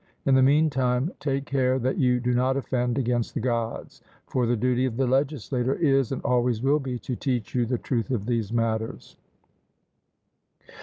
In the meantime take care that you do not offend against the Gods. For the duty of the legislator is and always will be to teach you the truth of these matters.